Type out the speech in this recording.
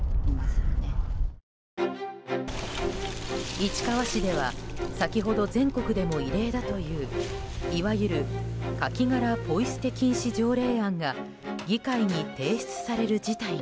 市川市では先ほど、全国でも異例だといういわゆるカキ殻ポイ捨て禁止条例案が議会に提出される事態に。